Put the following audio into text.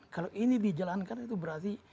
kalau ini dijalankan itu berarti